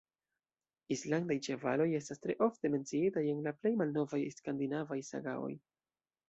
Islandaj ĉevaloj estas tre ofte menciitaj en la plej malnovaj skandinavaj sagaoj.